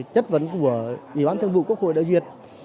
chất vấn của ủy ban thương vụ quốc hội đại duyệt